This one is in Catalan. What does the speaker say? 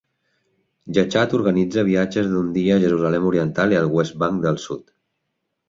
Yachad organitza viatges d'un dia a Jerusalem Oriental i al West Bank del sud.